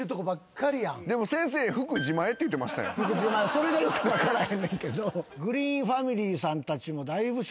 それがよく分からへんねんけど。